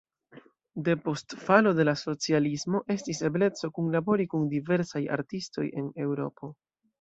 Depost falo de la socialismo estis ebleco kunlabori kun diversaj artistoj en Eŭropo.